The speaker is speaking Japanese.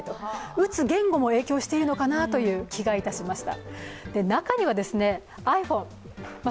打つ言語も影響しているのかなという気がいたしました。